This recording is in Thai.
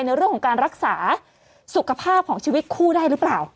ในเรื่องของการรักษาสุขภาพของชีวิตคู่ได้หรือเปล่า